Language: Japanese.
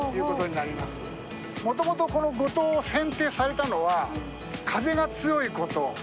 もともとこの五島を選定されたのは風が強いこと。